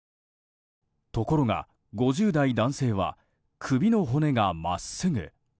ところが、５０代男性は首の骨が真っすぐ。